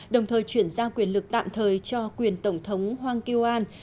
đồng thời chuyển giao quyền lực tạm thời cho quyền tổng thống hwang kyo an